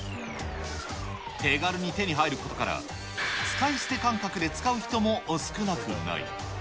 手軽に手に入ることから、使い捨て感覚で使う人も少なくない。